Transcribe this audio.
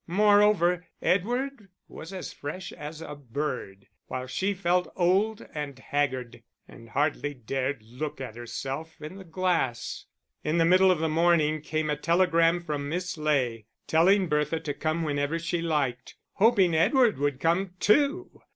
Moreover, Edward was as fresh as a bird, while she felt old and haggard, and hardly dared look at herself in the glass. In the middle of the morning came a telegram from Miss Ley, telling Bertha to come whenever she liked hoping Edward would come too!